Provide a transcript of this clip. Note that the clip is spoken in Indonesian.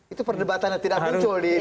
itu perdebatan yang tidak muncul di